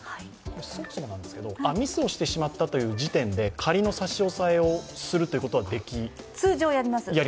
そもそもなんですけど、ミスをしてしまった時点で仮の差し押さえをすることはできるんですか？